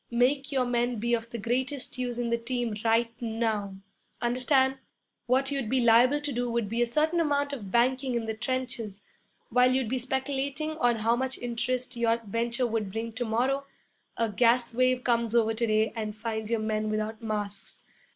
Make your men be of the greatest use in the team right now understand? What you'd be liable to do would be a certain amount of banking in the trenches. While you'd be speculating on how much interest your venture would bring you to morrow, a gas wave comes over to day and finds your men without masks.